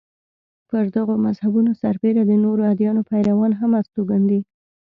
پر دغو مذهبونو سربېره د نورو ادیانو پیروان هم استوګن دي.